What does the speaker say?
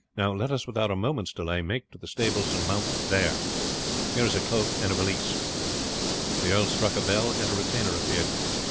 Now let us without a moment's delay make to the stables and mount there. Here is a cloak and valise." The earl struck a bell, and a retainer appeared.